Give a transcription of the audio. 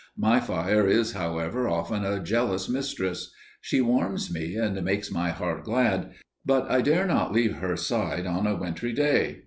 My fire is, however, often a jealous mistress. She warms me and makes my heart glad, but I dare not leave her side on a wintry day.